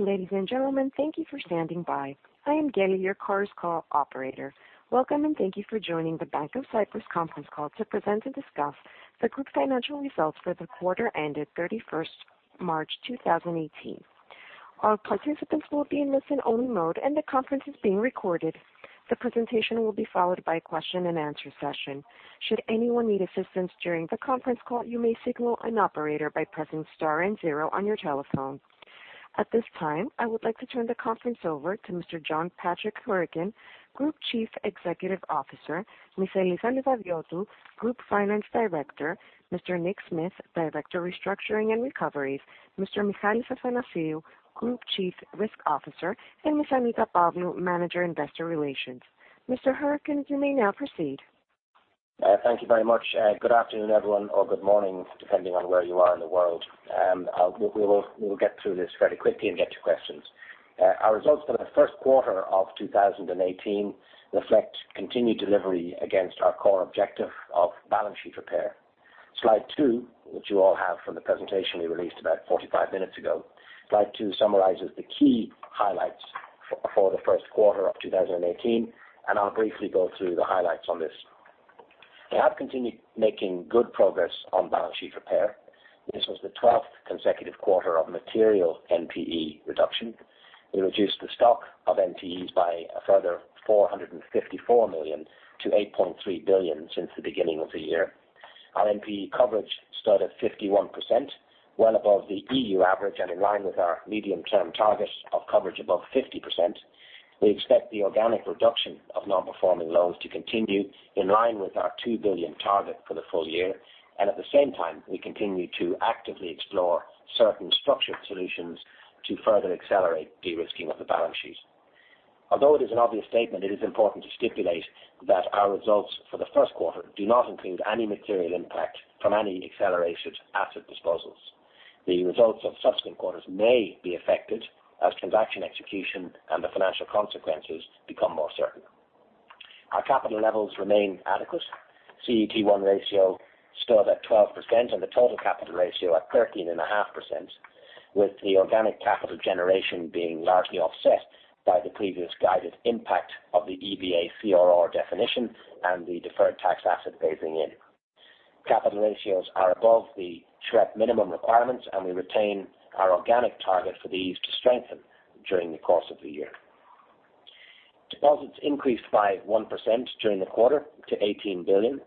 Ladies and gentlemen, thank you for standing by. I am Kelly, your conference call operator. Welcome, and thank you for joining the Bank of Cyprus conference call to present and discuss the group's financial results for the quarter ended 31st March 2018. All participants will be in listen only mode, and the conference is being recorded. The presentation will be followed by a question and answer session. Should anyone need assistance during the conference call, you may signal an operator by pressing star and zero on your telephone. At this time, I would like to turn the conference over to Mr. John Patrick Hourican, Group Chief Executive Officer, Ms. Eliza Livadiotou, Group Finance Director, Mr. Nick Smith, Director of Restructuring and Recoveries, Mr. Michalis Athanasiou, Group Chief Risk Officer, and Ms. Annita Pavlou, Manager Investor Relations. Mr. Hourican, you may now proceed. Thank you very much. Good afternoon, everyone, or good morning, depending on where you are in the world. We will get through this very quickly and get to questions. Our results for the first quarter of 2018 reflect continued delivery against our core objective of balance sheet repair. Slide two, which you all have from the presentation we released about 45 minutes ago. Slide two summarizes the key highlights for the first quarter of 2018, and I'll briefly go through the highlights on this. We have continued making good progress on balance sheet repair. This was the 12th consecutive quarter of material NPE reduction. We reduced the stock of NPEs by a further 454 million to 8.3 billion since the beginning of the year. Our NPE coverage stood at 51%, well above the EU average and in line with our medium-term targets of coverage above 50%. We expect the organic reduction of non-performing loans to continue in line with our 2 billion target for the full year. At the same time, we continue to actively explore certain structured solutions to further accelerate de-risking of the balance sheet. Although it is an obvious statement, it is important to stipulate that our results for the first quarter do not include any material impact from any accelerated asset disposals. The results of subsequent quarters may be affected as transaction execution and the financial consequences become more certain. Our capital levels remain adequate. CET1 ratio stood at 12% and the total capital ratio at 13.5%, with the organic capital generation being largely offset by the previous guided impact of the EBA CRR definition and the deferred tax asset phasing in. Capital ratios are above the SREP minimum requirements, and we retain our organic target for these to strengthen during the course of the year. Deposits increased by 1% during the quarter to 18 billion,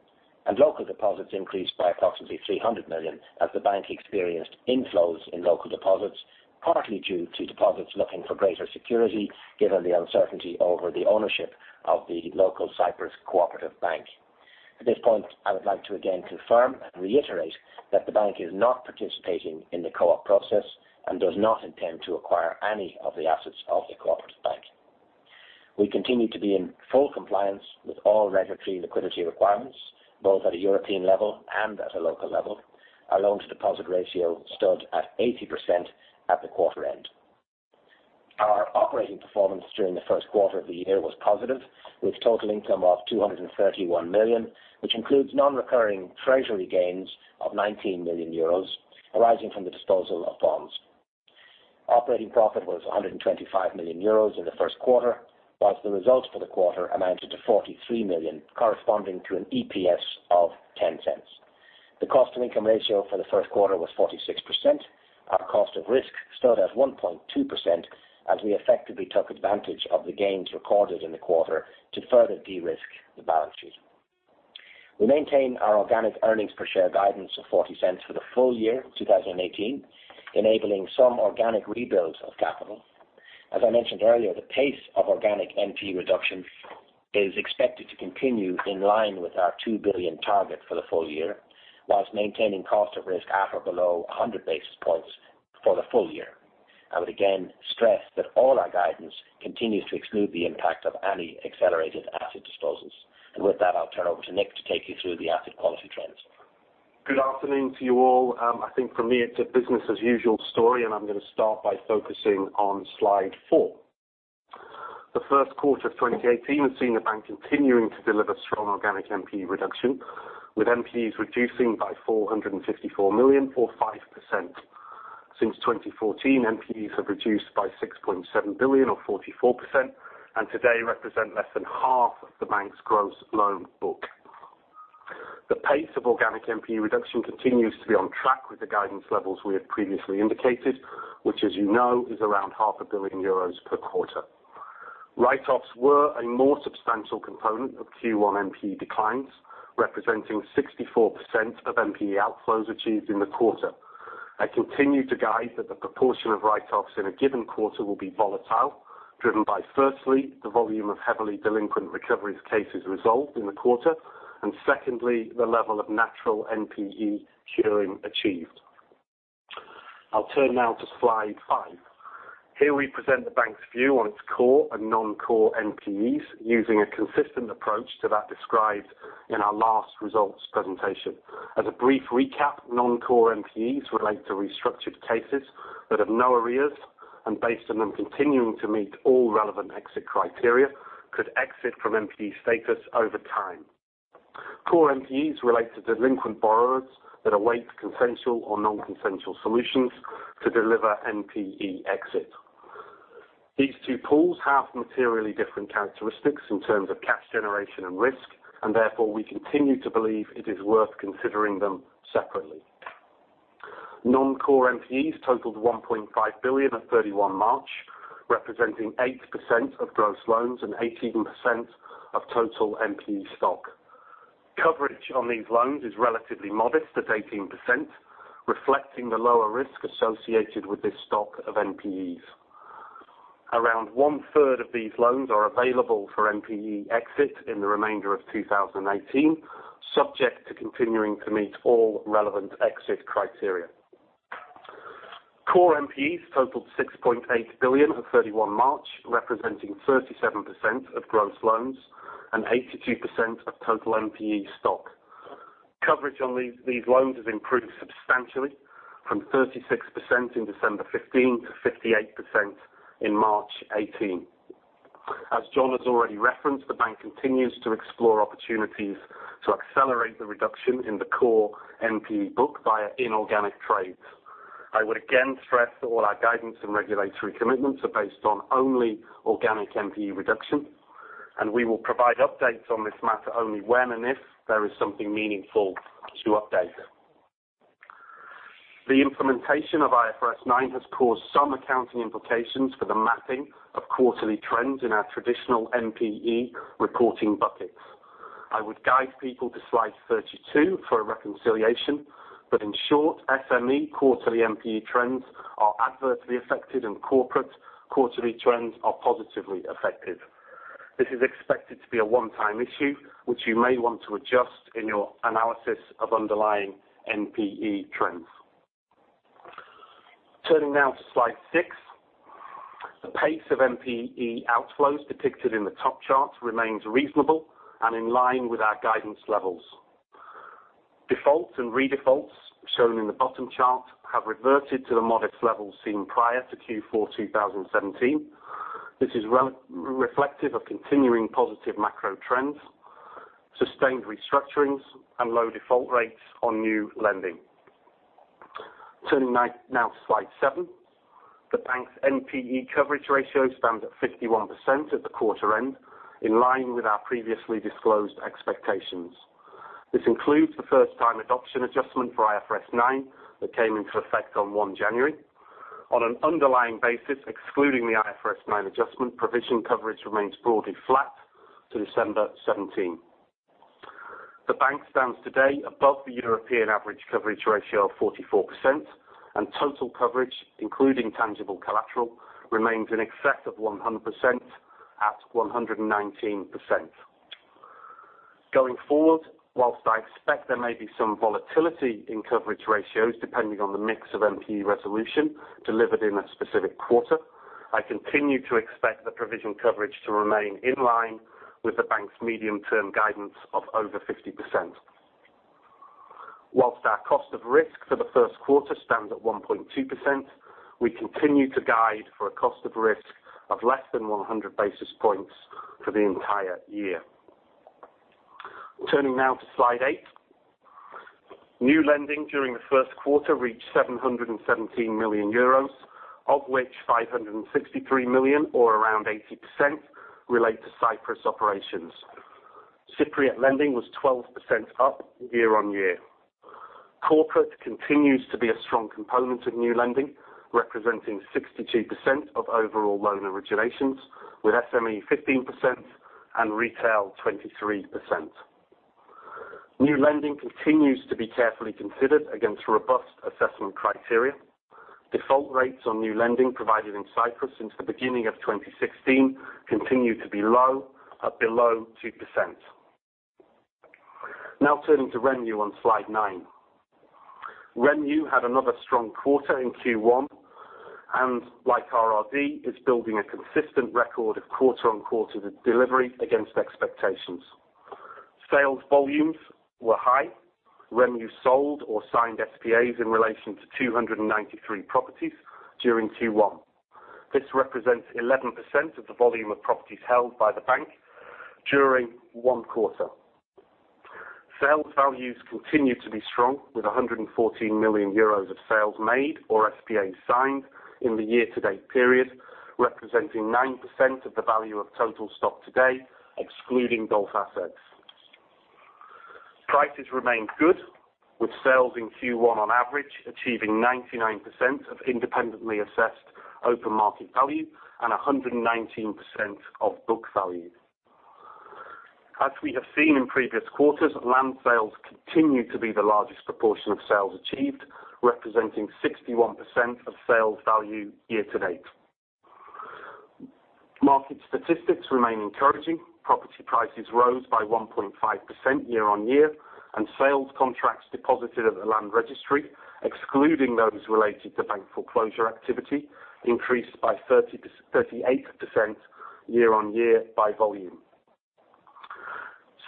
and local deposits increased by approximately 300 million as the bank experienced inflows in local deposits, partly due to deposits looking for greater security, given the uncertainty over the ownership of the local Cyprus Cooperative Bank. At this point, I would like to again confirm and reiterate that the bank is not participating in the Co-op process and does not intend to acquire any of the assets of the Co-op Bank. We continue to be in full compliance with all regulatory liquidity requirements, both at a European level and at a local level. Our loan-to-deposit ratio stood at 80% at the quarter end. Our operating performance during the first quarter of the year was positive, with total income of 231 million, which includes non-recurring treasury gains of 19 million euros, arising from the disposal of bonds. Operating profit was 125 million euros in the first quarter, whilst the results for the quarter amounted to 43 million, corresponding to an EPS of $0.10. The cost-to-income ratio for the first quarter was 46%. Our cost of risk stood at 1.2% as we effectively took advantage of the gains recorded in the quarter to further de-risk the balance sheet. We maintain our organic earnings per share guidance of $0.40 for the full year 2018, enabling some organic rebuilds of capital. As I mentioned earlier, the pace of organic NPE reduction is expected to continue in line with our two billion target for the full year, whilst maintaining cost of risk at or below 100 basis points for the full year. I would again stress that all our guidance continues to exclude the impact of any accelerated asset disposals. With that, I'll turn over to Nick to take you through the asset quality trends. Good afternoon to you all. I think for me, it's a business as usual story, I'm going to start by focusing on slide four. The first quarter of 2018 has seen the bank continuing to deliver strong organic NPE reduction, with NPEs reducing by 454 million or 5%. Since 2014, NPEs have reduced by 6.7 billion or 44%, and today represent less than half of the bank's gross loan book. The pace of organic NPE reduction continues to be on track with the guidance levels we have previously indicated, which as you know, is around half a billion euros per quarter. Write-offs were a more substantial component of Q1 NPE declines, representing 64% of NPE outflows achieved in the quarter, continue to guide that the proportion of write-offs in a given quarter will be volatile, driven by firstly, the volume of heavily delinquent recoveries cases resolved in the quarter, and secondly, the level of natural NPE curing achieved. I'll turn now to slide five. Here we present the bank's view on its core and non-core NPEs using a consistent approach to that described in our last results presentation. As a brief recap, non-core NPEs relate to restructured cases that have no arrears and based on them continuing to meet all relevant exit criteria, could exit from NPE status over time. Core NPEs relate to delinquent borrowers that await consensual or non-consensual solutions to deliver NPE exit. These two pools have materially different characteristics in terms of cash generation and risk, therefore, we continue to believe it is worth considering them separately. Non-core NPEs totaled 1.5 billion at March 31, representing 8% of gross loans and 18% of total NPE stock. Coverage on these loans is relatively modest at 18%, reflecting the lower risk associated with this stock of NPEs. Around one third of these loans are available for NPE exit in the remainder of 2018, subject to continuing to meet all relevant exit criteria. Core NPEs totaled 6.8 billion on March 31, representing 37% of gross loans and 82% of total NPE stock. Coverage on these loans has improved substantially, from 36% in December 2015 to 58% in March 2018. As John has already referenced, the bank continues to explore opportunities to accelerate the reduction in the core NPE book via inorganic trades. I would again stress that all our guidance and regulatory commitments are based on only organic NPE reduction, we will provide updates on this matter only when, if, there is something meaningful to update. The implementation of IFRS 9 has caused some accounting implications for the mapping of quarterly trends in our traditional NPE reporting buckets. I would guide people to slide 32 for a reconciliation, in short, SME quarterly NPE trends are adversely affected and corporate quarterly trends are positively affected. This is expected to be a one-time issue, which you may want to adjust in your analysis of underlying NPE trends. Turning now to slide six. The pace of NPE outflows depicted in the top chart remains reasonable and in line with our guidance levels. Defaults and redefaults shown in the bottom chart have reverted to the modest levels seen prior to Q4 2017. This is reflective of continuing positive macro trends, sustained restructurings, and low default rates on new lending. Turning now to slide seven. The bank's NPE coverage ratio stands at 51% at the quarter end, in line with our previously disclosed expectations. This includes the first-time adoption adjustment for IFRS 9 that came into effect on January 1. On an underlying basis, excluding the IFRS 9 adjustment, provision coverage remains broadly flat to December 2017. The bank stands today above the European average coverage ratio of 44%, total coverage, including tangible collateral, remains in excess of 100% at 119%. Going forward, whilst I expect there may be some volatility in coverage ratios, depending on the mix of NPE resolution delivered in a specific quarter, I continue to expect the provision coverage to remain in line with the bank's medium-term guidance of over 50%. Whilst our cost of risk for the first quarter stands at 1.2%, we continue to guide for a cost of risk of less than 100 basis points for the entire year. Turning now to slide eight. New lending during the first quarter reached 717 million euros, of which 563 million, or around 80%, relate to Cyprus operations. Cypriot lending was 12% up year-on-year. Corporate continues to be a strong component of new lending, representing 62% of overall loan originations, with SME 15% and retail 23%. New lending continues to be carefully considered against robust assessment criteria. Default rates on new lending provided in Cyprus since the beginning of 2016 continue to be low, at below 2%. Now turning to REMU on slide nine. REMU had another strong quarter in Q1 and like RRD, is building a consistent record of quarter-on-quarter delivery against expectations. Sales volumes were high. REMU sold or signed SPAs in relation to 293 properties during Q1. This represents 11% of the volume of properties held by the bank during one quarter. Sales values continue to be strong, with 114 million euros of sales made or SPA signed in the year-to-date period, representing 9% of the value of total stock today, excluding golf assets. Prices remained good, with sales in Q1 on average achieving 99% of independently assessed open market value and 119% of book value. As we have seen in previous quarters, land sales continued to be the largest proportion of sales achieved, representing 61% of sales value year-to-date. Market statistics remain encouraging. Property prices rose by 1.5% year-on-year, and sales contracts deposited at the land registry, excluding those related to bank foreclosure activity, increased by 38% year-on-year by volume.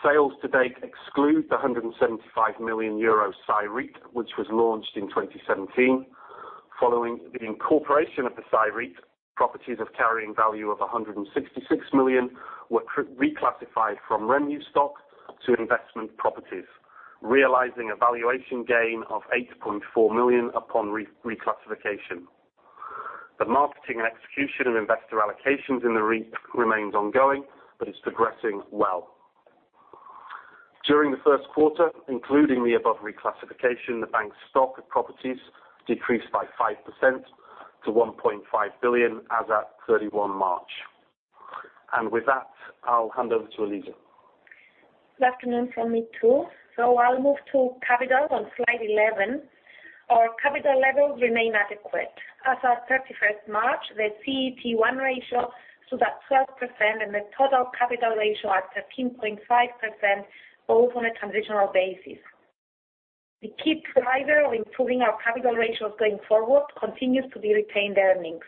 Sales to date exclude the 175 million euro CyREIT, which was launched in 2017. Following the incorporation of the CyREIT, properties of carrying value of 166 million were reclassified from revenue stock to investment properties, realizing a valuation gain of 8.4 million upon reclassification. The marketing and execution of investor allocations in the REIT remains ongoing, but it is progressing well. During the first quarter, including the above reclassification, the bank's stock of properties decreased by 5% to 1.5 billion as at 31 March. With that, I will hand over to Eliza. Good afternoon from me, too. I will move to capital on slide 11. Our capital levels remain adequate. As of 31st March, the CET1 ratio stood at 12% and the total capital ratio at 13.5%, both on a transitional basis. The key driver of improving our capital ratios going forward continues to be retained earnings.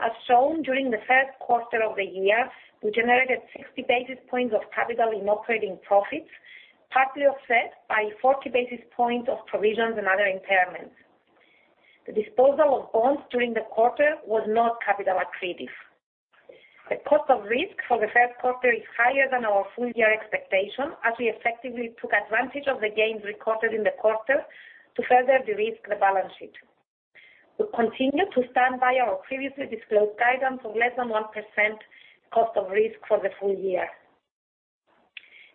As shown during the first quarter of the year, we generated 60 basis points of capital in operating profits, partly offset by 40 basis points of provisions and other impairments. The disposal of bonds during the quarter was not capital accretive. The cost of risk for the first quarter is higher than our full-year expectation, as we effectively took advantage of the gains recorded in the quarter to further de-risk the balance sheet. We continue to stand by our previously disclosed guidance of less than 1% cost of risk for the full year.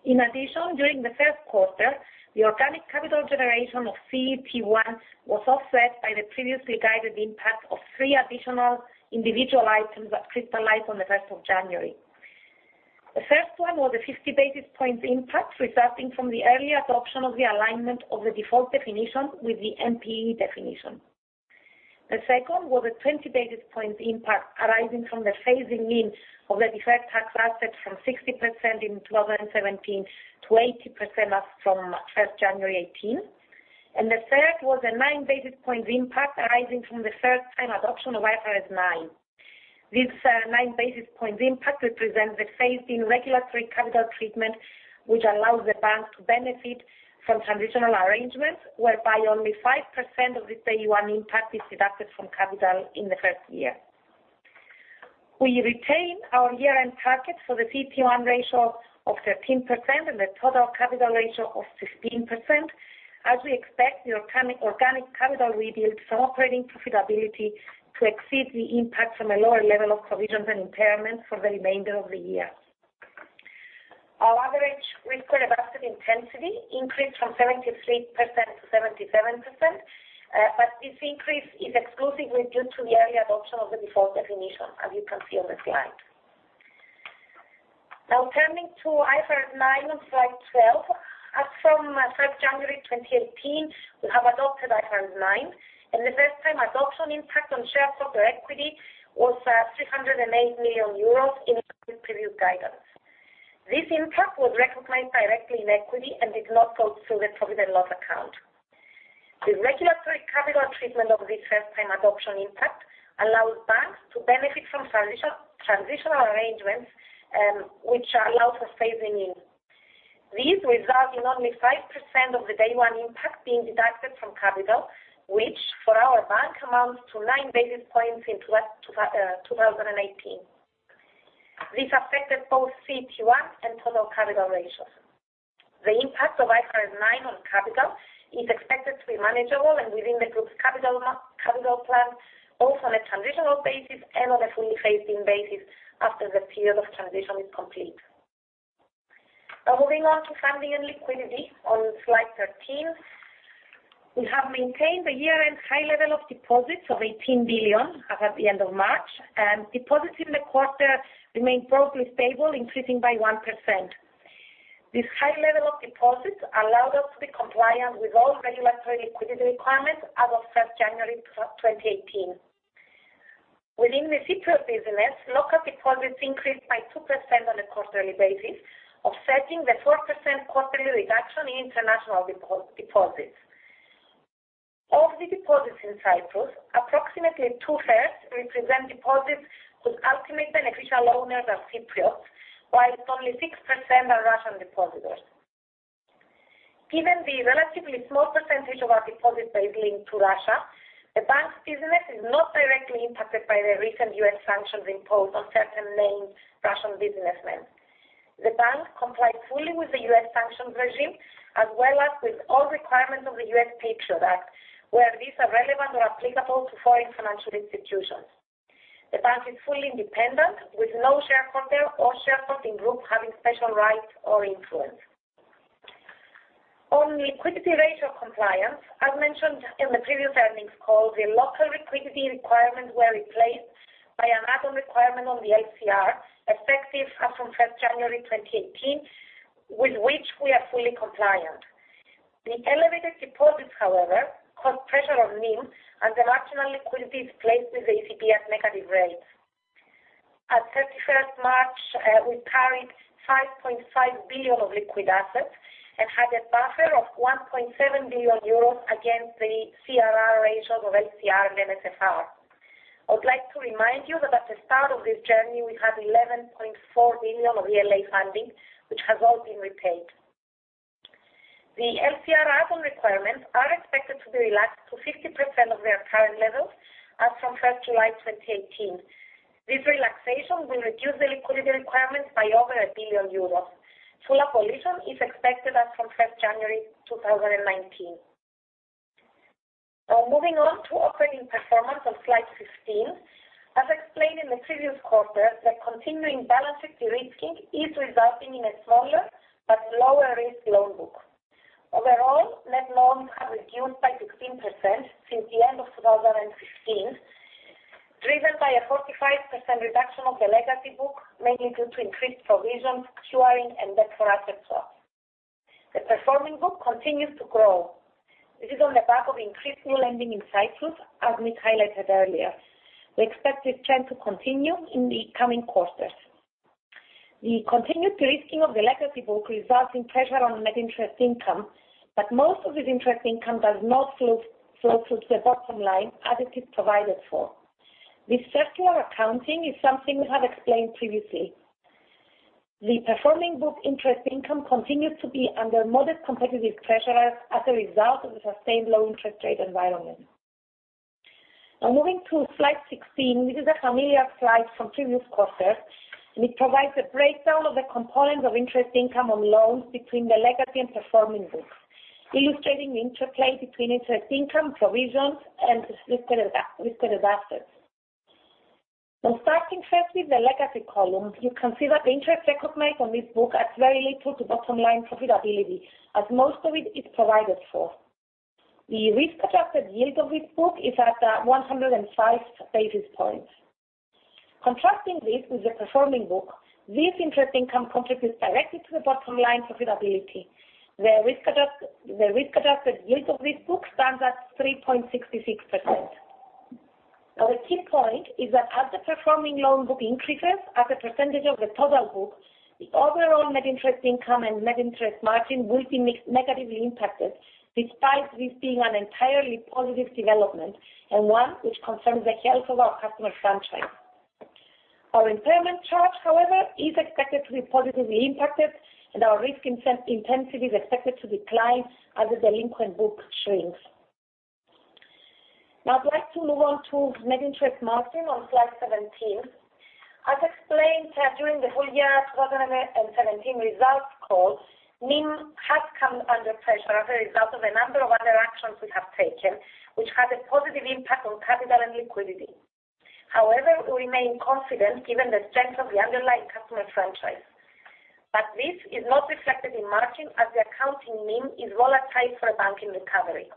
In addition, during the first quarter, the organic capital generation of CET1 was offset by the previously guided impact of three additional individual items that crystallized on the 1st of January. The first one was a 50 basis points impact resulting from the early adoption of the alignment of the default definition with the NPE definition. The second was a 20 basis points impact arising from the phasing in of the deferred tax assets from 60% in 2017 to 80% as from 1st January 2018. The third was a nine basis points impact arising from the first-time adoption of IFRS 9. This nine basis points impact represents the phase-in regulatory capital treatment, which allows the bank to benefit from transitional arrangements, whereby only 5% of the day one impact is deducted from capital in the first year. We retain our year-end target for the CET1 ratio of 13% and the total capital ratio of 16%, as we expect the organic capital rebuild from operating profitability to exceed the impact from a lower level of provisions and impairments for the remainder of the year. Our average risk-weighted asset intensity increased from 73% to 77%. This increase is exclusively due to the early adoption of the default definition, as you can see on the slide. Turning to IFRS 9 on slide 12. As from 1st January 2018, we have adopted IFRS 9. The first-time adoption impact on shareholder equity was 308 million euros in the previous guidance. This impact was recognized directly in equity and did not go through the profit and loss account. The regulatory capital treatment of this first-time adoption impact allows banks to benefit from transitional arrangements, which allow for phasing in. This results in only 5% of the day one impact being deducted from capital, which for our bank amounts to nine basis points in 2018. This affected both CET1 and total capital ratios. The impact of IFRS 9 on capital is expected to be manageable and within the group's capital plan, both on a transitional basis and on a fully phased-in basis after the period of transition is complete. Moving on to funding and liquidity on slide 13. We have maintained the year-end high level of deposits of 18 billion as at the end of March. Deposits in the quarter remained broadly stable, increasing by 1%. This high level of deposits allowed us to be compliant with all regulatory liquidity requirements as of 1st January 2018. Within the Cypriot business, local deposits increased by 2% on a quarterly basis, offsetting the 4% quarterly reduction in international deposits. Of the deposits in Cyprus, approximately two-thirds represent deposits whose ultimate beneficial owners are Cypriots, while only 6% are Russian depositors. Given the relatively small percentage of our deposit base linked to Russia, the bank's business is not directly impacted by the recent US sanctions imposed on certain named Russian businessmen. The bank complies fully with the US sanctions regime, as well as with all requirements of the US FATCA Act, where these are relevant or applicable to foreign financial institutions. The bank is fully independent, with no shareholder or shareholder in group having special rights or influence. On liquidity ratio compliance, as mentioned in the previous earnings call, the local liquidity requirements were replaced by an add-on requirement on the LCR, effective as from 1st January 2018, with which we are fully compliant. The elevated deposits, however, cause pressure on NIM. The marginal liquidity is placed with the ECB at negative rates. At 31st March, we carried 5.5 billion of liquid assets and had a buffer of 1.7 billion euros against the CRR requirements of LCR and NSFR. I would like to remind you that at the start of this journey, we had 11.4 billion of ELA funding, which has all been repaid. The LCR add-on requirements are expected to be relaxed to 50% of their current levels as from 1st July 2018. This relaxation will reduce the liquidity requirements by over 1 billion euros. Full abolition is expected as from 1st January 2019. Moving on to operating performance on slide 15. As explained in the previous quarter, the continuing balance sheet de-risking is resulting in a smaller but lower-risk loan book. Overall, net loans have reduced by 16% since the end of 2015, driven by a 45% reduction of the legacy book, mainly due to increased provisions, curing, and better asset quality. The performing book continues to grow. This is on the back of increased new lending in Cyprus, as we highlighted earlier. We expect this trend to continue in the coming quarters. The continued de-risking of the legacy book results in pressure on net interest income, but most of this interest income does not flow through to the bottom line as it is provided for. This circular accounting is something we have explained previously. The performing book interest income continues to be under modest competitive pressure as a result of the sustained low interest rate environment. Moving to slide 16. This is a familiar slide from previous quarters. It provides a breakdown of the components of interest income on loans between the legacy and performing books, illustrating the interplay between interest income, provisions, and risk-adjusted assets. Starting first with the legacy column, you can see that the interest income made on this book adds very little to bottom-line profitability, as most of it is provided for. The risk-adjusted yield of this book is at 105 basis points. Contrasting this with the performing book, this interest income contributes directly to the bottom-line profitability. The risk-adjusted yield of this book stands at 3.66%. The key point is that as the performing loan book increases as a percentage of the total book, the overall net interest income and net interest margin will be negatively impacted, despite this being an entirely positive development, and one which confirms the health of our customer franchise. Our impairment charge, however, is expected to be positively impacted and our risk intensity is expected to decline as the delinquent book shrinks. I'd like to move on to net interest margin on slide 17. As explained during the full year 2017 results call, NIM has come under pressure as a result of a number of other actions we have taken, which had a positive impact on capital and liquidity. However, we remain confident given the strength of the underlying customer franchise. This is not reflected in margin as the accounting NIM is volatile for a bank in recovery.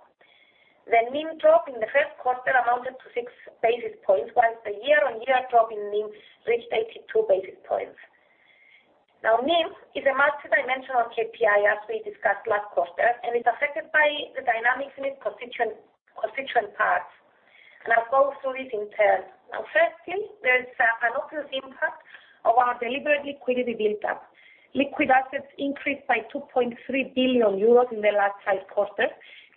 The NIM drop in the first quarter amounted to six basis points, whilst the year-on-year drop in NIM reached 82 basis points. NIM is a multidimensional KPI, as we discussed last quarter. It's affected by the dynamics in its constituent parts. I'll go through these in turn. Firstly, there is an obvious impact of our deliberate liquidity buildup. Liquid assets increased by 2.3 billion euros in the last five quarters,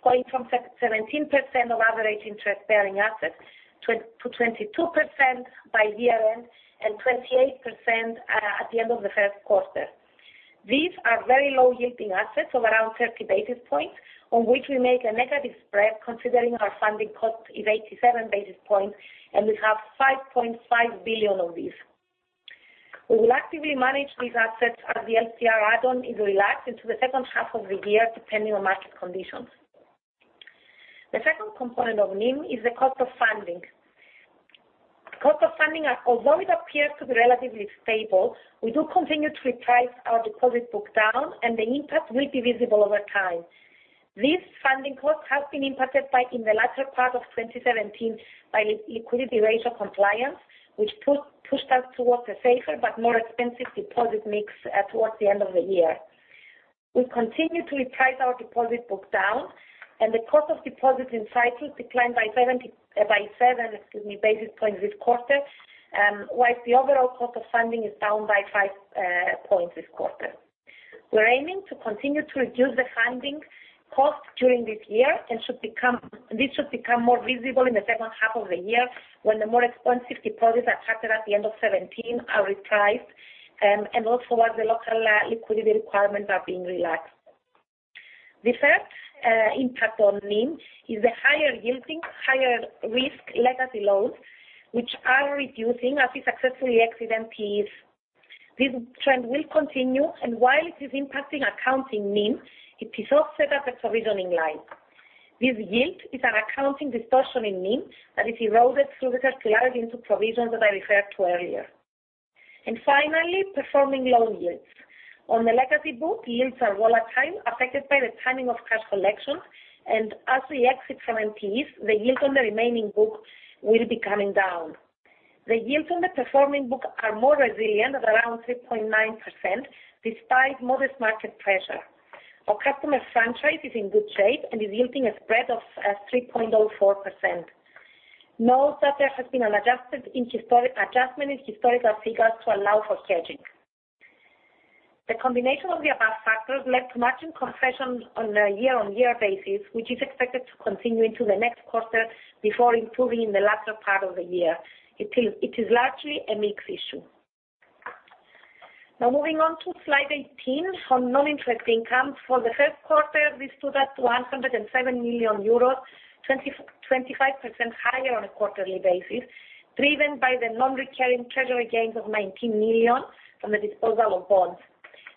going from 17% of average interest-bearing assets to 22% by year-end, and 28% at the end of the first quarter. These are very low-yielding assets of around 30 basis points, on which we make a negative spread considering our funding cost is 87 basis points, and we have 5.5 billion of these. We will actively manage these assets as the LCR add-on is relaxed into the second half of the year, depending on market conditions. The second component of NIM is the cost of funding. Cost of funding, although it appears to be relatively stable, we do continue to reprice our deposit book down and the impact will be visible over time. This funding cost has been impacted by in the latter part of 2017 by liquidity ratio compliance, which pushed us towards a safer but more expensive deposit mix towards the end of the year. We continue to reprice our deposit book down, and the cost of deposits in Cyprus declined by seven basis points this quarter, whilst the overall cost of funding is down by five points this quarter. We are aiming to continue to reduce the funding cost during this year, this should become more visible in the second half of the year when the more expensive deposits attracted at the end of 2017 are repriced, also as the local liquidity requirements are being relaxed. The third impact on NIM is the higher yielding, higher risk legacy loans, which are reducing as we successfully exit NPEs. This trend will continue, and while it is impacting accounting NIM, it is offset at the provisioning line. This yield is an accounting distortion in NIM that is eroded through the circular into provisions that I referred to earlier. Finally, performing loan yields. On the legacy book, yields are volatile, affected by the timing of cash collection, and as we exit from NPEs, the yield on the remaining book will be coming down. The yields on the performing book are more resilient at around 3.9%, despite modest market pressure. Our customer franchise is in good shape and is yielding a spread of 3.04%. Note that there has been an adjustment in historical figures to allow for hedging. The combination of the above factors led to margin compression on a year-on-year basis, which is expected to continue into the next quarter before improving in the latter part of the year. It is largely a mix issue. Now moving on to slide 18 on non-interest income. For the first quarter, this stood at 107 million euros, 25% higher on a quarterly basis, driven by the non-recurring treasury gains of 19 million from the disposal of bonds.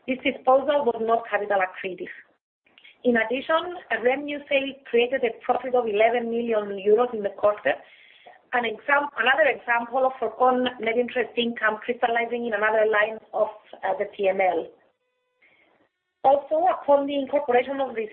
This disposal was not capital accretive. In addition, a revenue sale created a profit of 11 million euros in the quarter. Another example of foregone net interest income crystallizing in another line of the P&L. Also, upon the incorporation of the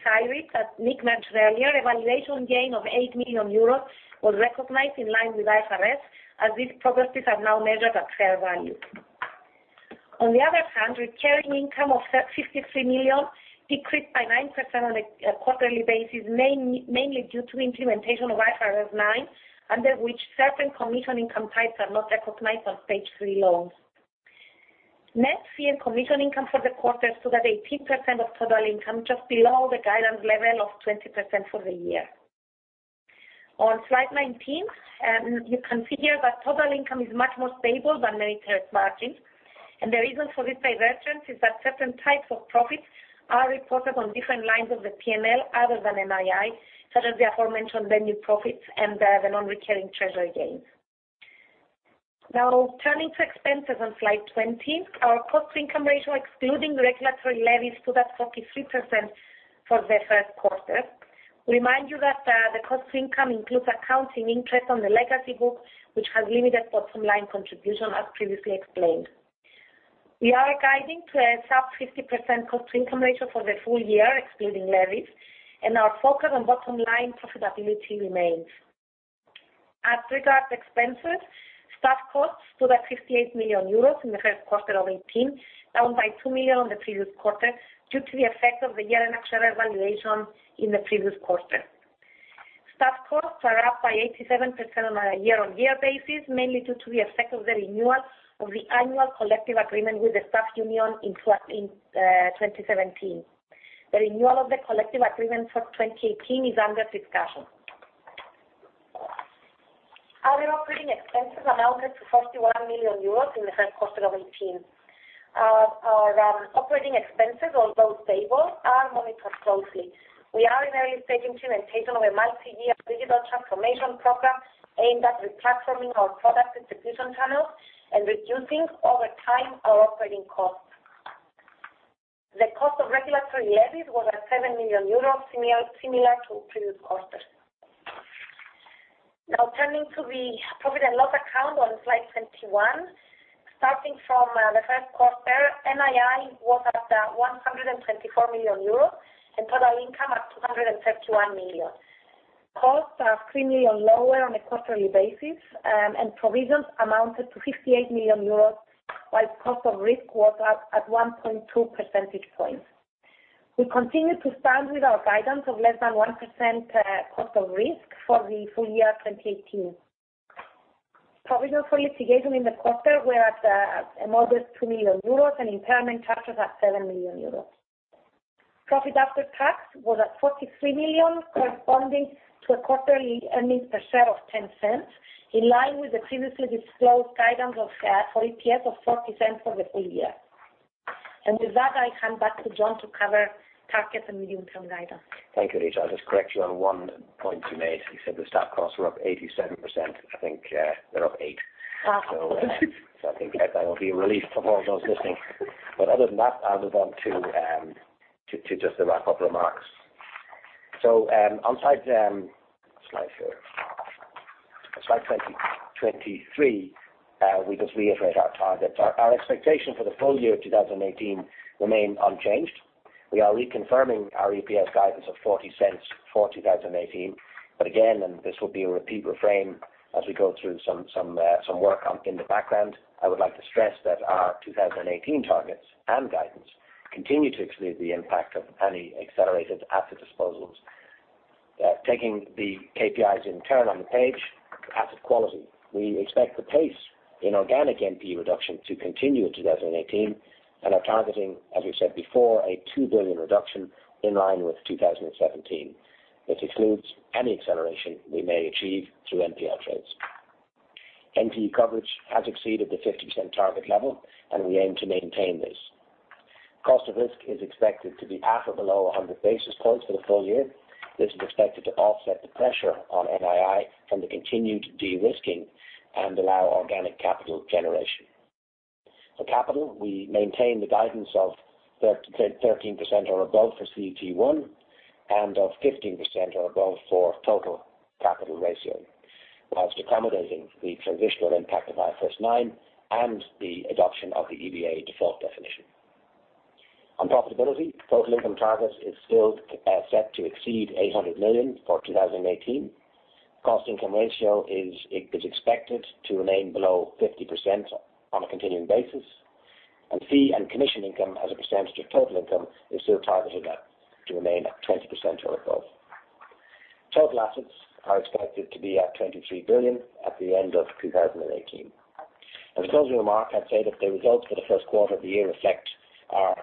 As our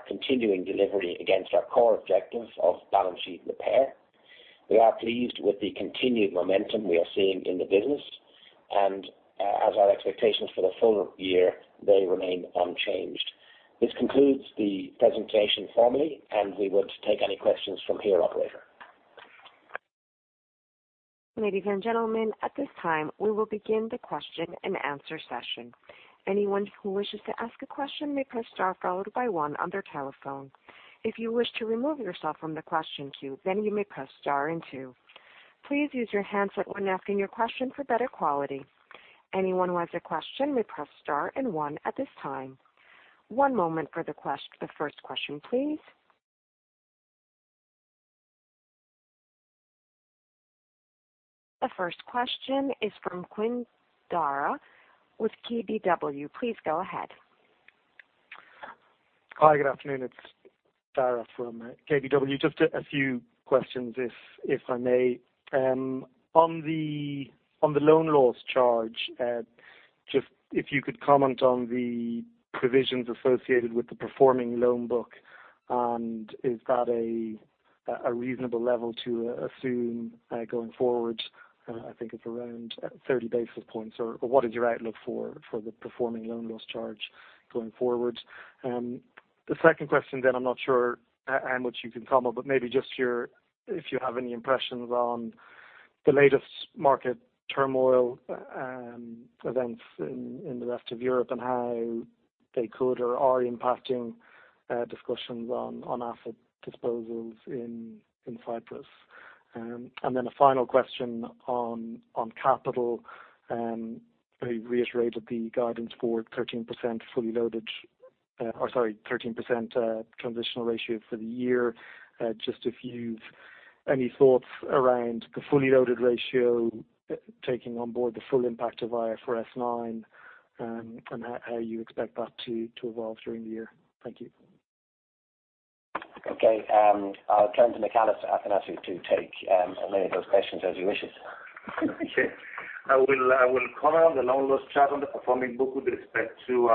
expectations for the full year, they remain unchanged. This concludes the presentation formally. We want to take any questions from here, operator. Ladies and gentlemen, at this time, we will begin the question and answer session. Anyone who wishes to ask a question may press star followed by one on their telephone. If you wish to remove yourself from the question queue, then you may press star and two. Please use your handset when asking your question for better quality. Anyone who has a question may press star and one at this time. One moment for the first question, please. The first question is from Daragh Quinn with KBW. Please go ahead. Hi. Good afternoon. It's Daragh from KBW. Just a few questions, if I may. On the loan loss charge, just if you could comment on the provisions associated with the performing loan book. Is that a reasonable level to assume going forward? I think it's around 30 basis points. What is your outlook for the performing loan loss charge going forward? The second question, I'm not sure how much you can comment, but maybe just if you have any impressions on the latest market turmoil events in the rest of Europe and how they could or are impacting discussions on asset disposals in Cyprus. A final question on capital. You reiterated the guidance for 13% transitional ratio for the year. Just if you've any thoughts around the fully loaded ratio, taking on board the full impact of IFRS 9. How you expect that to evolve during the year. Thank you. Okay. I'll turn to Michalis Athanasiou to take as many of those questions as he wishes. Okay. I will comment on the loan loss charge on the performing book with respect to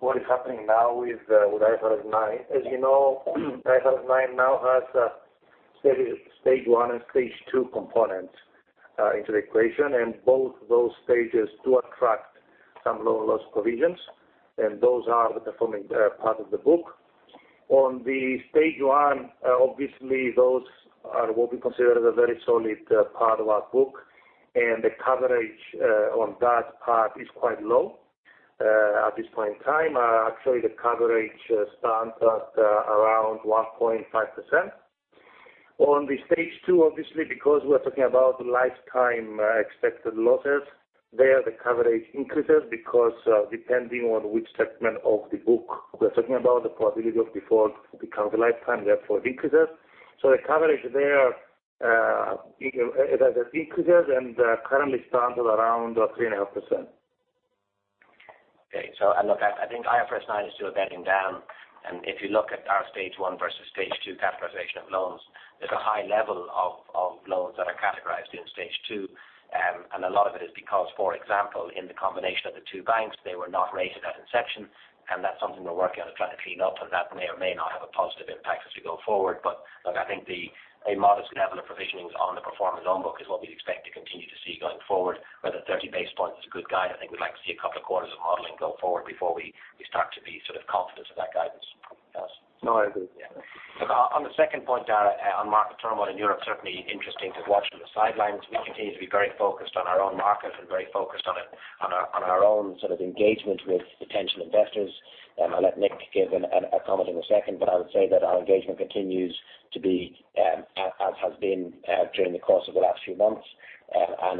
what is happening now with IFRS 9. As you know, IFRS 9 now has a stage 1 and stage 2 component into the equation. Both those stages do attract some loan loss provisions, and those are the performing part of the book. On the stage 1, obviously those will be considered a very solid part of our book, and the coverage on that part is quite low at this point in time. Actually, the coverage stands at around 1.5%. On the stage 2, obviously because we're talking about lifetime expected losses, there the coverage increases because depending on which segment of the book we're talking about, the probability of default becomes a lifetime, therefore increases. The coverage there, it either increases and currently stands at around 3.5%. Okay. Look, I think IFRS 9 is still a bedding down, and if you look at our stage 1 versus stage 2 capitalization of loans, there's a high level of loans that are categorized in stage 2. A lot of it is because, for example, in the combination of the two banks, they were not rated at inception. That's something we're working on trying to clean up, and that may or may not have a positive impact as we go forward. Look, I think a modest level of provisionings on the performing loan book is what we'd expect to continue to see going forward, whether 30 basis points is a good guide. I think we'd like to see a couple of quarters of modeling go forward before we start to be sort of confident of that guidance. No, I agree. Look, on the second point, Dara, on market turmoil in Europe, certainly interesting to watch from the sidelines. We continue to be very focused on our own market and very focused on our own sort of engagement with potential investors. I'll let Nick give a comment in a second. I would say that our engagement continues to be as has been during the course of the last few months.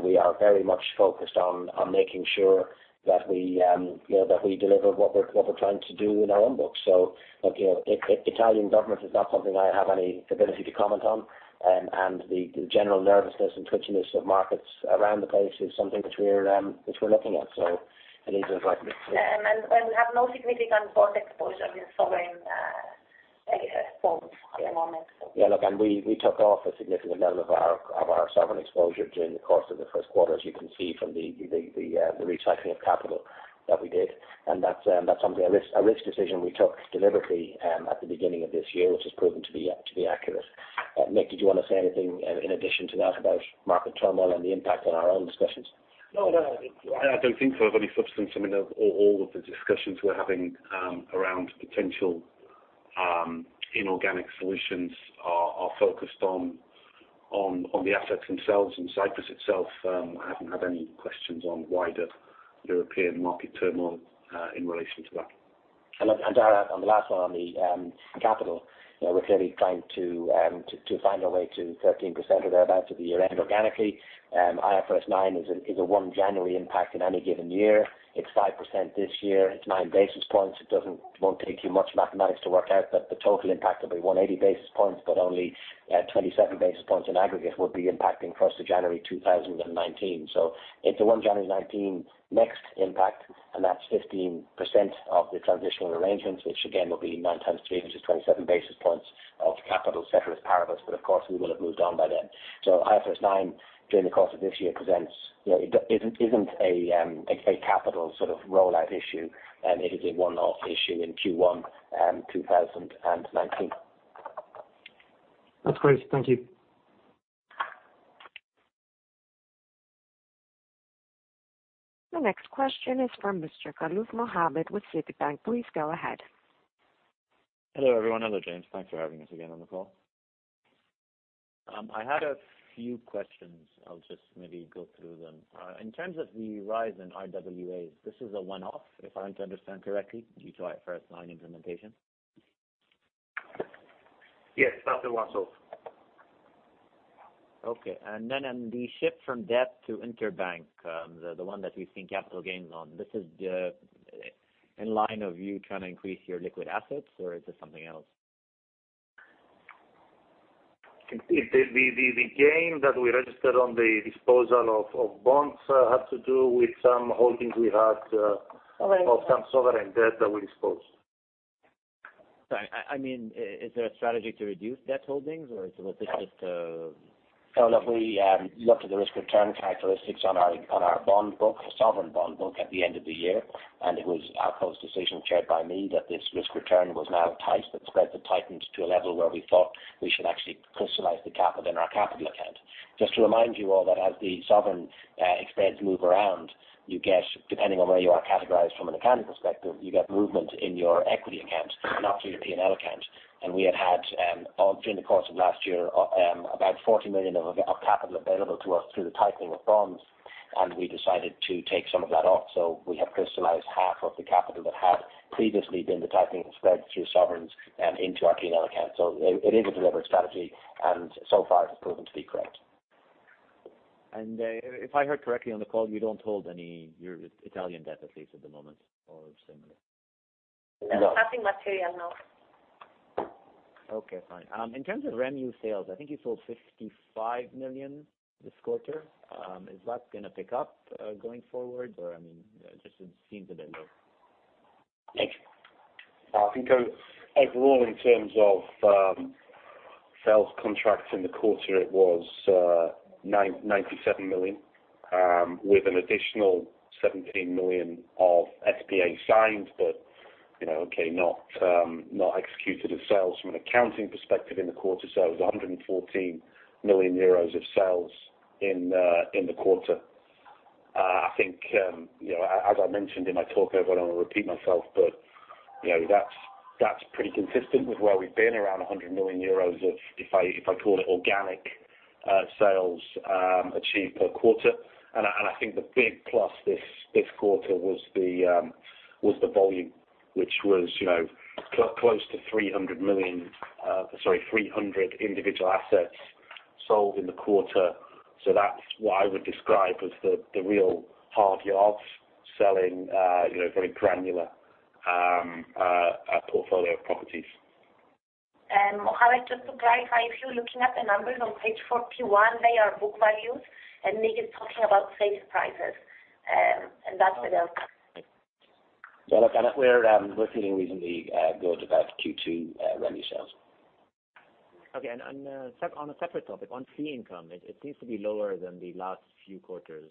We are very much focused on making sure that we deliver what we're trying to do in our own books. Look, the Italian government is not something I have any ability to comment on. The general nervousness and twitchiness of markets around the place is something which we're looking at. I need to invite Nick. We have no significant bond exposure in sovereign bonds at the moment. Look, we took off a significant level of our sovereign exposure during the course of the first quarter, as you can see from the recycling of capital that we did. That's a risk decision we took deliberately at the beginning of this year, which has proven to be accurate. Nick, did you want to say anything in addition to that about market turmoil and the impact on our own discussions? No, I don't think so. In substance, I mean, all of the discussions we're having around potential inorganic solutions are focused on the assets themselves and Cyprus itself. I haven't had any questions on wider European market turmoil in relation to that. Daragh, on the last one on the capital, we're clearly trying to find our way to 13% or thereabout at the year-end organically. IFRS 9 is a one January impact in any given year. It's 5% this year. It's nine basis points. It won't take you much mathematics to work out that the total impact will be 180 basis points, but only 27 basis points in aggregate will be impacting for us to January 2019. It's a one January 2019 next impact, and that's 15% of the transitional arrangements, which again will be nine times three, which is 27 basis points of capital, ceteris paribus. Of course, we will have moved on by then. IFRS 9 during the course of this year, it isn't a capital sort of rollout issue. It is a one-off issue in Q1 2019. That's great. Thank you. The next question is from Mr. Galoob Mohammed with Citibank. Please go ahead. Hello, everyone. Hello, James. Thanks for having us again on the call. I had a few questions. I'll just maybe go through them. In terms of the rise in RWAs, this is a one-off, if I'm to understand correctly, due to IFRS 9 implementation? Yes. That's a one-off. Okay. Then on the shift from debt to interbank, the one that you've seen capital gains on, this is in line of you trying to increase your liquid assets, or is this something else? The gain that we registered on the disposal of bonds had to do with some holdings we had- Okay of some sovereign debt that we disposed. Sorry. Is there a strategy to reduce debt holdings, or was this just No, look, we looked at the risk-return characteristics on our bond book, sovereign bond book at the end of the year, it was our post-decision, chaired by me, that this risk return was now tight, the spreads had tightened to a level where we thought we should actually crystallize the capital in our capital account. Just to remind you all that as the sovereign spreads move around, you get, depending on where you are categorized from an accounting perspective, you get movement in your equity account and not through your P&L account. We had all through the course of last year, about 40 million of capital available to us through the tightening of bonds, and we decided to take some of that off. We have crystallized half of the capital that had previously been the tightening of spreads through sovereigns and into our P&L account. It is a deliberate strategy, and so far it has proven to be correct. If I heard correctly on the call, you don't hold your Italian debt at least at the moment, or similar. No. Nothing material, no. Okay, fine. In terms of REMU sales, I think you sold 55 million this quarter. Is that going to pick up going forward, or just it seems a bit low? Nick. I think overall in terms of sales contracts in the quarter, it was 97 million, with an additional 17 million of SPA signed, but okay, not executed as sales from an accounting perspective in the quarter. It was 114 million euros of sales in the quarter. I think, as I mentioned in my talk, I don't want to repeat myself, but that's pretty consistent with where we've been, around 100 million euros of, if I call it organic sales, achieved per quarter. I think the big plus this quarter was the volume, which was close to 300 individual assets sold in the quarter. That's what I would describe as the real hard yards selling very granular portfolio of properties. Mohammed, just to clarify, if you're looking at the numbers on page 41, they are book values, and Nick is talking about sales prices. That's the delta. Look, we're feeling reasonably good about Q2 REMU sales. On a separate topic, on fee income, it seems to be lower than the last few quarters.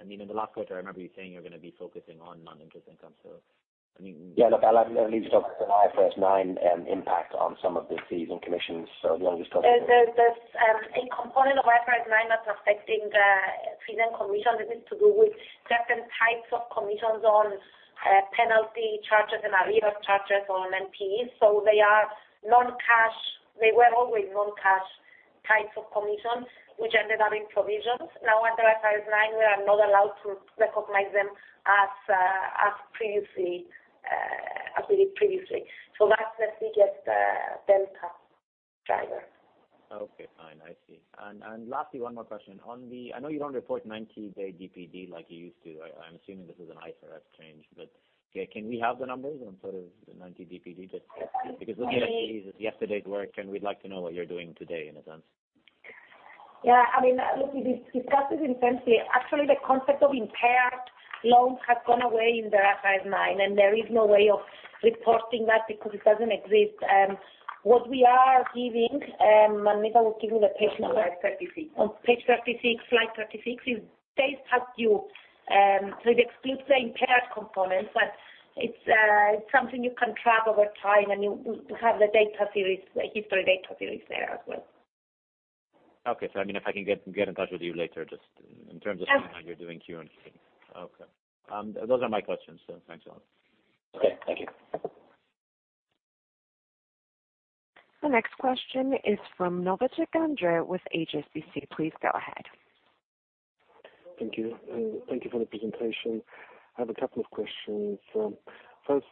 In the last quarter, I remember you saying you're going to be focusing on non-interest income. Look, I'll leave it over to IFRS 9 impact on some of the fees and commissions. There's a component of IFRS 9 that's affecting the fees and commissions. It is to do with different types of commissions on penalty charges and arrears charges on NPEs. They were always non-cash types of commissions, which ended up in provisions. Now, under IFRS 9, we are not allowed to recognize them as we did previously. That's the biggest delta driver. Okay, fine. I see. Lastly, one more question. I know you don't report 90-day DPD like you used to. I'm assuming this is an IFRS change, but can we have the numbers in terms of the 90 DPD? Because looking at NPEs is yesterday's work, and we'd like to know what you're doing today in a sense. Yeah. Look, we discussed this intensely. Actually, the concept of impaired loans has gone away in the IFRS 9. There is no way of reporting that because it doesn't exist. What we are giving, Monica will give you the page number. Slide 36. On page 36, slide 36. This helps you. It excludes the impaired components, but it's something you can track over time, you have the history data series there as well. Okay. If I can get in touch with you later just in terms of seeing how you're doing Q on Q. Okay. Those are my questions. Thanks a lot. Okay. Thank you. The next question is from Cihan Saraoğlu with HSBC. Please go ahead. Thank you. Thank you for the presentation. I have a couple of questions. First,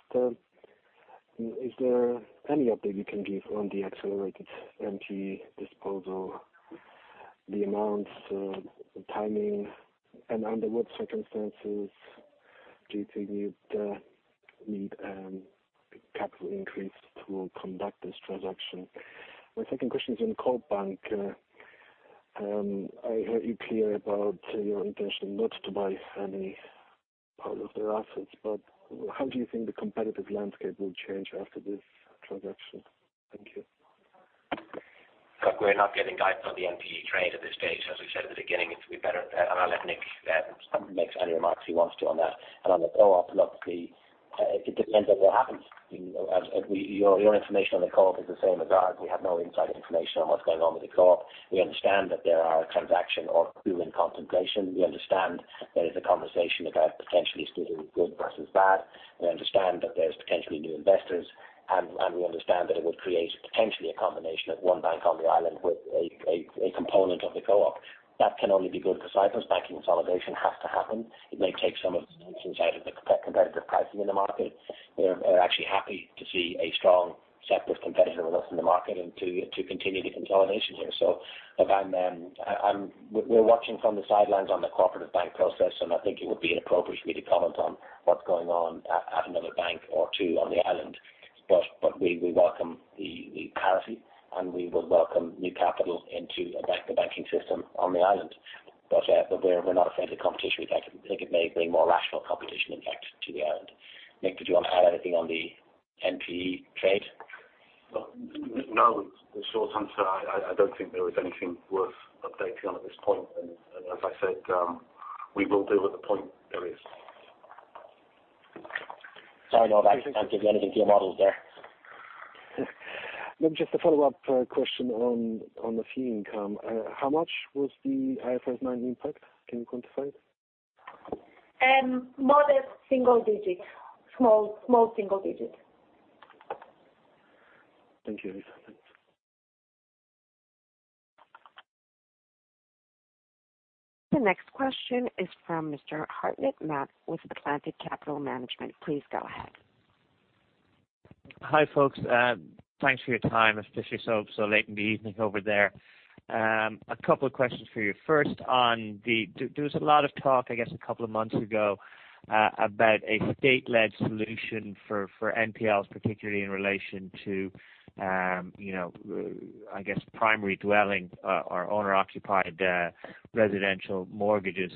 is there any update you can give on the accelerated NPE disposal, the amounts, the timing, and under what circumstances do you think you'd need a capital increase to conduct this transaction? My second question is on Co-op Bank. I heard you clear about your intention not to buy any part of their assets, how do you think the competitive landscape will change after this transaction? Thank you. Look, we're not giving guidance on the NPE trade at this stage. As we said at the beginning, it'll be better. I'll let Nick make any remarks he wants to on that. On the Co-op, look, it depends on what happens. Your information on the Co-op is the same as ours. We have no inside information on what's going on with the Co-op. We understand that there are transaction or two in contemplation. We understand there is a conversation about potentially still good versus bad. We understand that there's potentially new investors, and we understand that it would create potentially a combination of one bank on the island with a component of the Co-op. That can only be good for Cyprus. Bank consolidation has to happen. It may take some of the tensions out of the competitive pricing in the market. We're actually happy to see a strong, separate competitor with us in the market and to continue the consolidation here. Again, we're watching from the sidelines on the Cooperative Bank process, and I think it would be inappropriate for me to comment on what's going on at another bank or two on the island. We welcome the parity, and we would welcome new capital into the banking system on the island. We're not afraid of competition. We think it may bring more rational competition, in fact, to the island. Nick, did you want to add anything on the NPE trade? No. The short answer, I don't think there is anything worth updating on at this point. As I said, we will do at the point there is. Sorry, no, I can't give you anything for your models there. Nick, just a follow-up question on the fee income. How much was the IFRS 9 impact? Can you quantify it? Modest single digit. Small single digit. Thank you, Eliza. Thanks. The next question is from Mr. Hartmut Mast with Atlantic Capital Management. Please go ahead. Hi, folks. Thanks for your time, especially so late in the evening over there. A couple of questions for you. First, there was a lot of talk, I guess, a couple of months ago, about a state-led solution for NPEs, particularly in relation to primary dwelling or owner-occupied residential mortgages.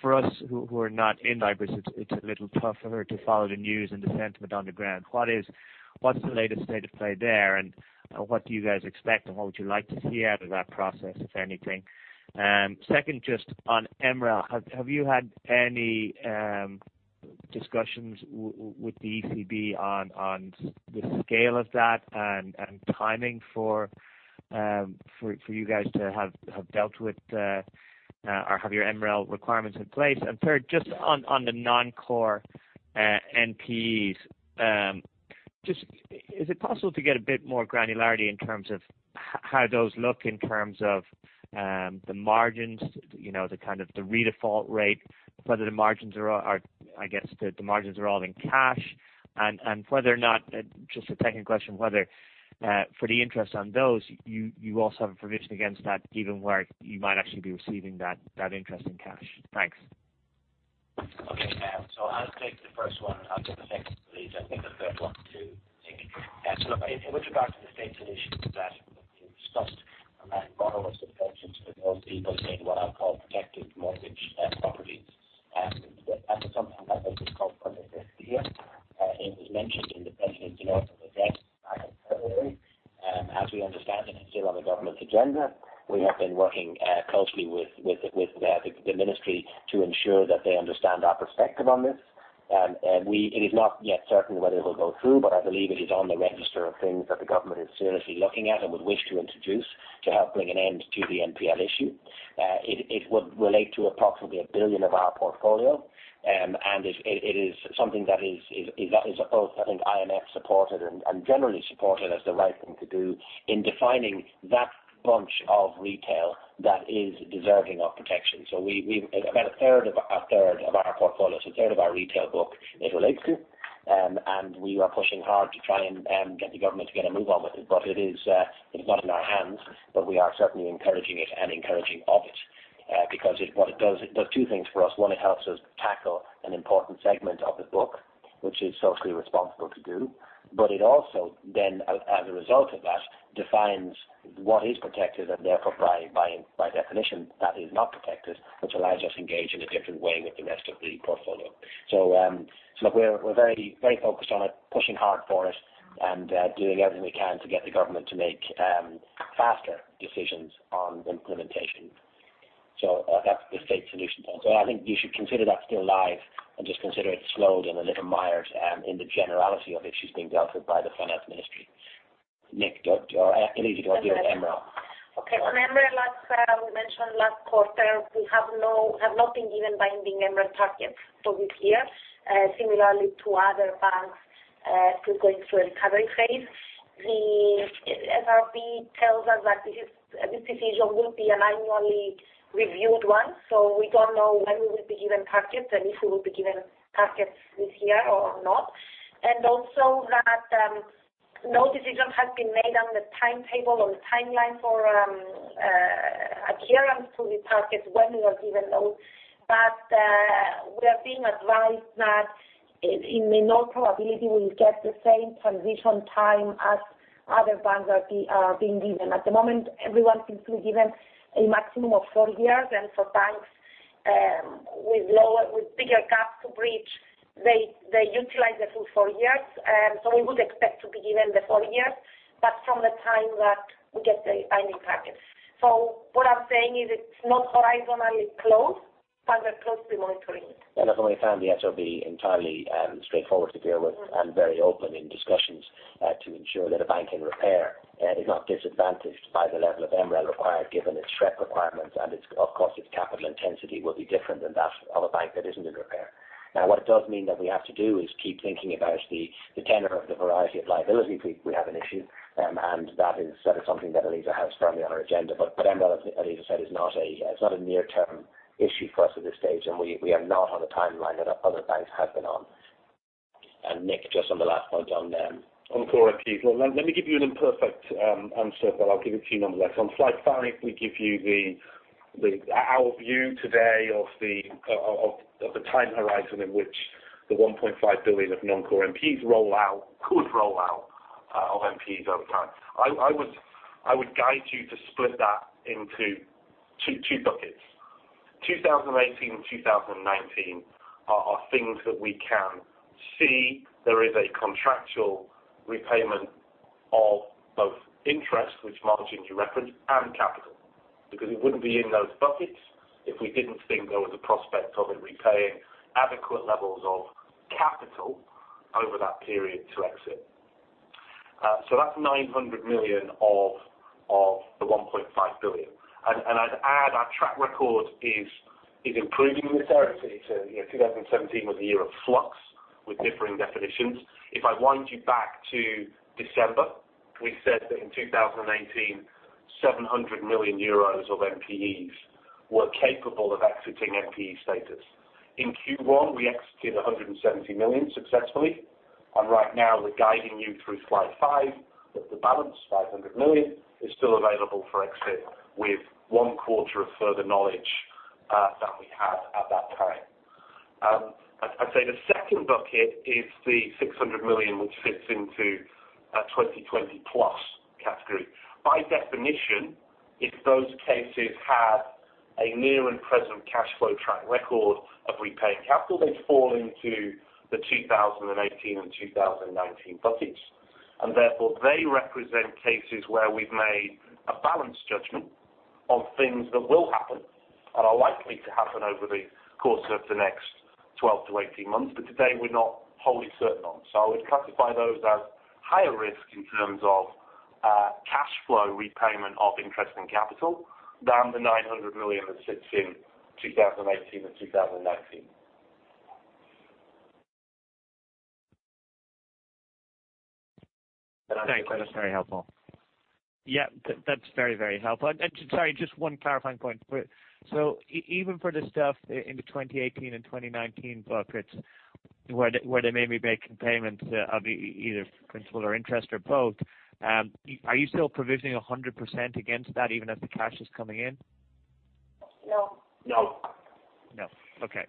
For us who are not in Cyprus, it is a little tougher to follow the news and the sentiment on the ground. What is the latest state of play there, and what do you guys expect, and what would you like to see out of that process, if anything? Second, just on MREL, have you had any discussions with the ECB on the scale of that and timing for you guys to have dealt with or have your MREL requirements in place? Third, just on the non-core NPEs, is it possible to get a bit more granularity in terms of how those look in terms of the margins, the kind of the redefault rate, whether the margins are all in cash, and whether or not, just a second question, whether for the interest on those, you also have a provision against that even where you might actually be receiving that interest in cash. Thanks. Okay. I will take the first one, and I will take the second piece. I will leave the third one to Nick. Look, with regard to the state solution to that, it was discussed among borrowers and potential to those people in what are called protected mortgage properties. That is something that has been called for this year. It was mentioned in the president's inaugural address back in February. As we understand it is still on the government's agenda. We have been working closely with the ministry to ensure that they understand our perspective on this. It is not yet certain whether it will go through, but I believe it is on the register of things that the government is seriously looking at and would wish to introduce to help bring an end to the NPE issue. It would relate to approximately 1 billion of our portfolio. It is something that is both, I think, IMF supported and generally supported as the right thing to do in defining that bunch of retail that is deserving of protection. About a third of our portfolio, a third of our retail book, it relates to, and we are pushing hard to try and get the government to get a move on with it. It is not in our hands, but we are certainly encouraging it and encouraging of it because what it does, it does two things for us. One, it helps us tackle an important segment of the book, which is socially responsible to do. It also then, as a result of that, defines what is protected and therefore by definition, that is not protected, which allows us to engage in a different way with the rest of the portfolio. Look, we're very focused on it, pushing hard for it, and doing everything we can to get the government to make faster decisions on implementation. That's the state solution there. I think you should consider that still live and just consider it slowed and a little mired in the generality of issues being dealt with by the finance ministry. Nick or Eliza, do you want to do MREL? Okay. On MREL, as we mentioned last quarter, we have not been given binding MREL targets for this year. Similarly to other banks who are going through a recovery phase. The SRB tells us that this decision will be an annually reviewed one, we don't know when we will be given targets and if we will be given targets this year or not. Also that no decision has been made on the timetable or the timeline for adherence to the targets when we are given those. We are being advised that in all probability we'll get the same transition time as other banks are being given. At the moment, everyone seems to be given a maximum of 4 years, and for banks with bigger gaps to bridge They utilize the full 4 years. We would expect to begin in the 4 years, but from the time that we get the final targets. What I'm saying is it's not horizontally closed, we're closely monitoring it. As we found the SRB entirely straightforward to deal with and very open in discussions to ensure that a bank in repair is not disadvantaged by the level of MREL required, given its SREP requirements and of course, its capital intensity will be different than that of a bank that isn't in repair. Now, what it does mean that we have to do is keep thinking about the tenor of the variety of liability if we have an issue. That is something that Eliza has firmly on her agenda. MREL, as Eliza said, it's not a near-term issue for us at this stage, and we are not on a timeline that other banks have been on. Nick, just on the last point on them. On core NPEs. Well, let me give you an imperfect answer, but I'll give a few numbers. On slide five, we give you our view today of the time horizon in which the 1.5 billion of non-core NPEs could roll out of NPEs over time. I would guide you to split that into two buckets. 2018 and 2019 are things that we can see there is a contractual repayment of both interest, which margins you referenced, and capital. It wouldn't be in those buckets if we didn't think there was a prospect of it repaying adequate levels of capital over that period to exit. That's 900 million of the 1.5 billion. I'd add our track record is improving necessarily to 2017 was a year of flux with differing definitions. If I wind you back to December, we said that in 2018, 700 million euros of NPEs were capable of exiting NPE status. In Q1, we exited 170 million successfully, and right now we're guiding you through slide five that the balance, 500 million, is still available for exit with one quarter of further knowledge than we had at that time. I'd say the second bucket is the 600 million, which fits into a 2020 plus category. By definition, if those cases have a near and present cash flow track record of repaying capital, they fall into the 2018 and 2019 buckets. Therefore they represent cases where we've made a balanced judgment on things that will happen and are likely to happen over the course of the next 12 to 18 months, but today we're not wholly certain on. I would classify those as higher risk in terms of cash flow repayment of interest and capital than the 900 million that sits in 2018 and 2019. Thanks. That is very helpful. Yeah, that's very helpful. Sorry, just one clarifying point. Even for the stuff in the 2018 and 2019 buckets, where they may be making payments of either principal or interest or both, are you still provisioning 100% against that, even if the cash is coming in? No. No. No. Okay.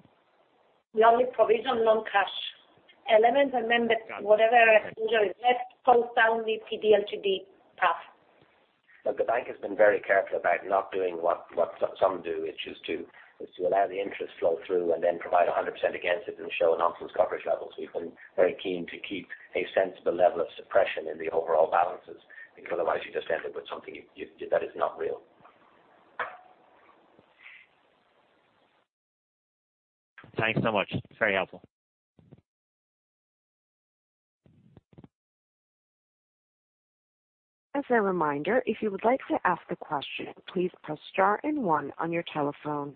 We only provision non-cash elements and then whatever exposure is left falls down the PD/LGD path. Look, the bank has been very careful about not doing what some do, which is to allow the interest flow through and then provide 100% against it and show nonsense coverage levels. We've been very keen to keep a sensible level of suppression in the overall balances, because otherwise you just ended with something that is not real. Thanks so much. Very helpful. As a reminder, if you would like to ask a question, please press star and one on your telephone.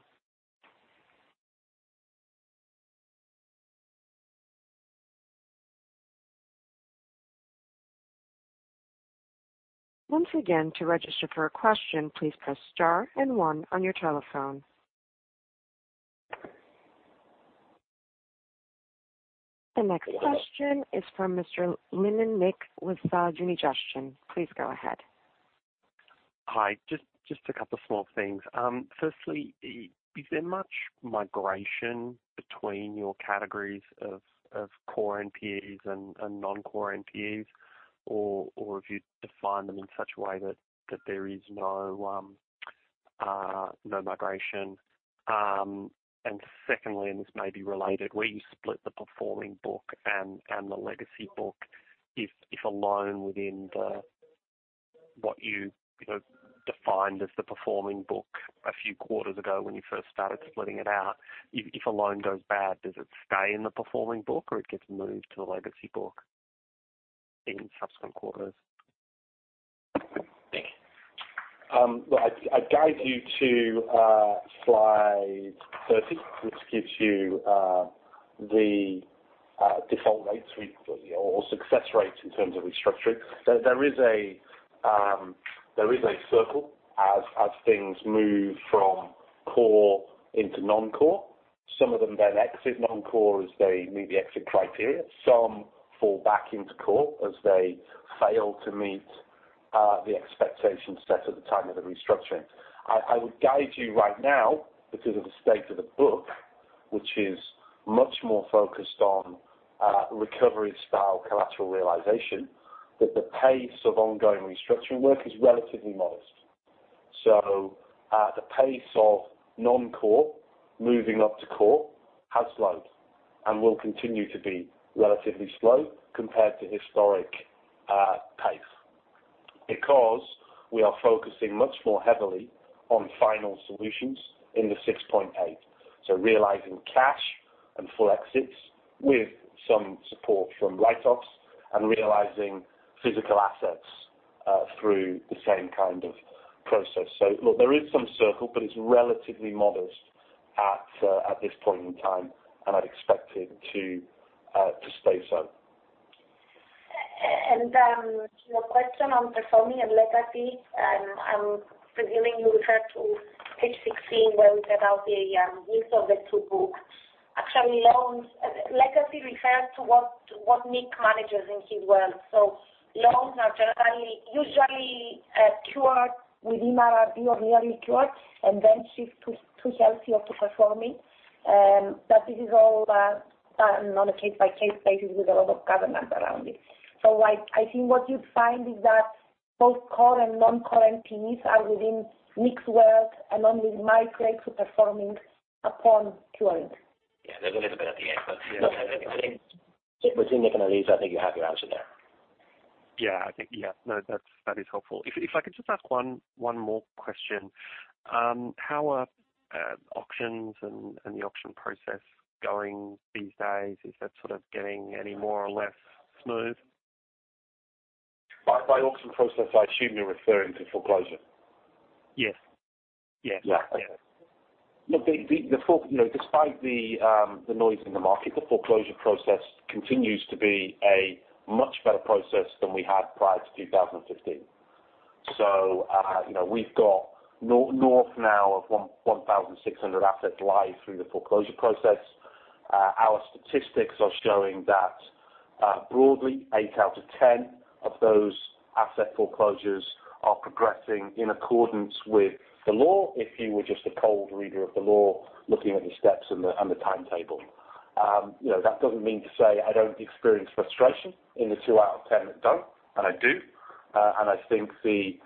Once again, to register for a question, please press star and one on your telephone. The next question is from Mr. Linnan Mick with. [inaudible] Please go ahead. Hi. Just a couple small things. Firstly, is there much migration between your categories of core NPEs and non-core NPEs, or have you defined them in such a way that there is no migration? Secondly, and this may be related, where you split the performing book and the legacy book. If a loan within the, what you defined as the performing book a few quarters ago when you first started splitting it out, if a loan goes bad, does it stay in the performing book or it gets moved to the legacy book in subsequent quarters? I'd guide you to slide 30, which gives you the default rates or success rates in terms of restructuring. There is a circle as things move from core into non-core. Some of them exit non-core as they meet the exit criteria. Some fall back into core as they fail to meet the expectations set at the time of the restructuring. I would guide you right now because of the state of the book, which is much more focused on recovery style collateral realization, that the pace of ongoing restructuring work is relatively modest. The pace of non-core moving up to core has slowed and will continue to be relatively slow compared to historic pace, because we are focusing much more heavily on final solutions in the 6.8. Realizing cash and full exits with some support from write-offs and realizing physical assets through the same kind of process. Look, there is some circle, but it's relatively modest at this point in time, and I'd expect it to stay so. Your question on performing and legacy, I'm presuming you refer to page 16 where we set out the mix of the two books. Actually, legacy refers to what Nick manages in his world. Loans are generally usually cured within REMU or nearly cured and then shift to healthy or to performing. This is all done on a case-by-case basis with a lot of governance around it. I think what you'd find is that both core and non-core NPEs are within Nick's world and only migrate to performing upon curing. There's a little bit at the end, between Nick and Eliza, I think you have your answer there. That is helpful. If I could just ask one more question. How are auctions and the auction process going these days? Is that sort of getting any more or less smooth? By auction process, I assume you're referring to foreclosure. Yes. Yeah. Okay. Look, despite the noise in the market, the foreclosure process continues to be a much better process than we had prior to 2015. We've got north now of 1,600 assets live through the foreclosure process. Our statistics are showing that broadly eight out of 10 of those asset foreclosures are progressing in accordance with the law, if you were just a cold reader of the law, looking at the steps and the timetable. That doesn't mean to say I don't experience frustration in the two out of 10 that don't, and I do. I think the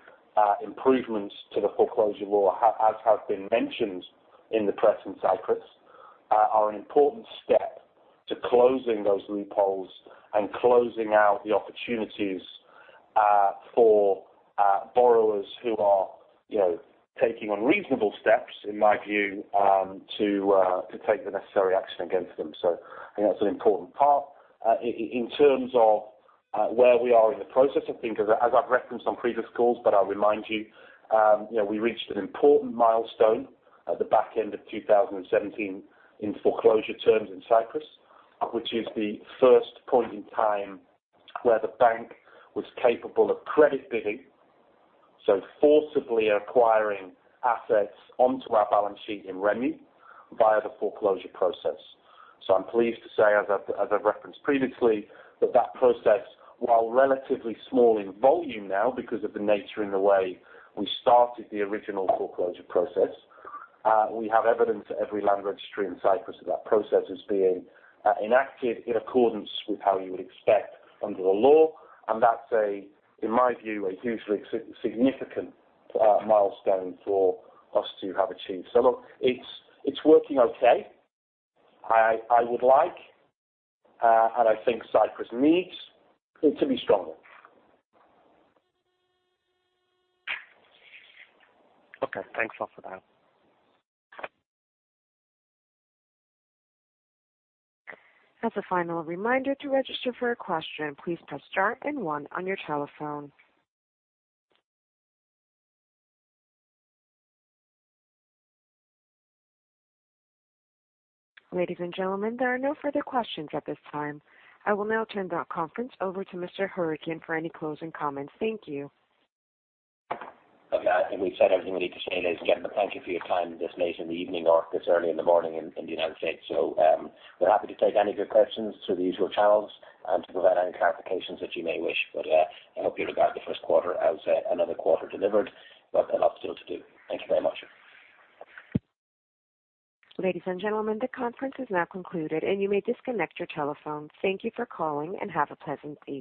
improvements to the foreclosure law, as has been mentioned in the press in Cyprus, are an important step to closing those loopholes and closing out the opportunities for borrowers who are taking unreasonable steps, in my view, to take the necessary action against them. I think that's an important part. In terms of where we are in the process, I think as I've referenced on previous calls, but I'll remind you, we reached an important milestone at the back end of 2017 in foreclosure terms in Cyprus, which is the first point in time where the bank was capable of credit bidding, forcibly acquiring assets onto our balance sheet in REMU via the foreclosure process. I'm pleased to say, as I've referenced previously, that that process, while relatively small in volume now because of the nature and the way we started the original foreclosure process, we have evidence at every land registry in Cyprus that that process is being enacted in accordance with how you would expect under the law, and that's, in my view, a hugely significant milestone for us to have achieved. Look, it's working okay. I would like, I think Cyprus needs it to be stronger. Okay. Thanks a lot for that. As a final reminder to register for a question, please press star and one on your telephone. Ladies and gentlemen, there are no further questions at this time. I will now turn the conference over to Mr. Hourican for any closing comments. Thank you. Look, I think we've said everything we need to say, ladies and gentlemen, thank you for your time this late in the evening or this early in the morning in the U.S. We're happy to take any of your questions through the usual channels and to provide any clarifications that you may wish. I hope you regard the first quarter as another quarter delivered, but a lot still to do. Thank you very much. Ladies and gentlemen, the conference is now concluded, and you may disconnect your telephone. Thank you for calling and have a pleasant day.